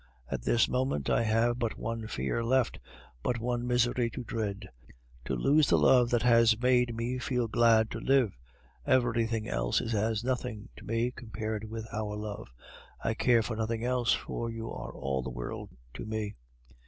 At this moment I have but one fear left, but one misery to dread to lose the love that has made me feel glad to live. Everything else is as nothing to me compared with our love; I care for nothing else, for you are all the world to me.